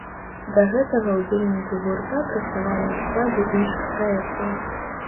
Да гэтага ўдзельнікі гурта працавалі ў складзе іншых праектаў.